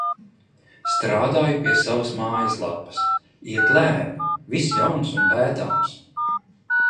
Strādāju pie savas mājaslapas, iet lēni, viss jauns un pētāms.